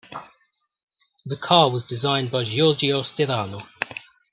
The car was designed by Giorgio Stirano.